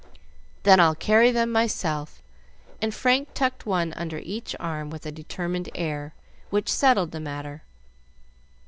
"Then I'll carry them myself;" and Frank tucked one under each arm, with a determined air, which settled the matter.